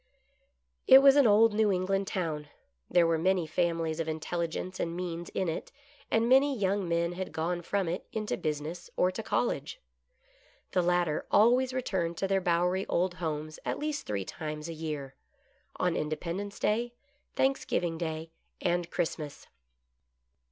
It was an old New England town. There were many families of intelligence and means in it, and many young men had gone from it into business or to college. The latter always returned to their bowery old homes at least three times a year ; on Independence Day, Thanks giving Day, and Christmas.